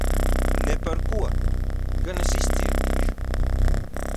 Ne par ko! Gan es izcietīšu.